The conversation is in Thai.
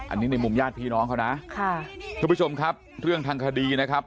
อันนี้ในมุมญาติพี่น้องเขานะค่ะทุกผู้ชมครับเรื่องทางคดีนะครับ